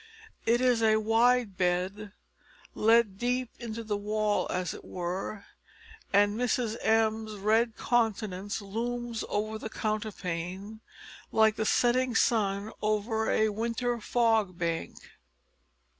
It is a wide bed, let deep into the wall, as it were, and Mrs M's red countenance looms over the counterpane like the setting sun over a winter fog bank.